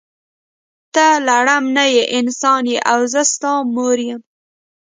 ته لړم نه یی انسان یی او زه ستا مور یم.